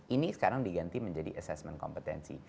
ini sekarang diganti menjadi assessment kompetensi